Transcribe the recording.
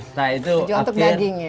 setelah itu jual untuk daging ya